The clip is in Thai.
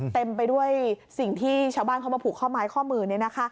เต็มไปด้วยสิ่งที่ชาวบ้านเขามาผูกข้อไม้ข้อมือ